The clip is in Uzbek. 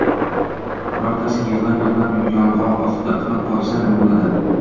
Birortasi yig‘lab-yig‘lab, yong‘oq ostida... uxlab qolsa nima bo‘ladi?»